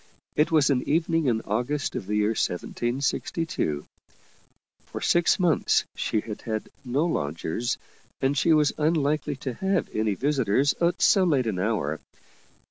It was an evening in August of the year 1762. For six months she had had no lodgers, and she was unlikely to have any visitors at so late an hour.